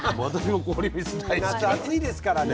もう夏暑いですからね。